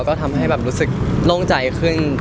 ก็ทำให้แบบรู้สึกโล่งใจขึ้น